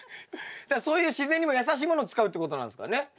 そういう自然にもやさしいものを使うってことなんですかね？